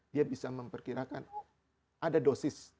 dia bisa memperkirakan ada dosis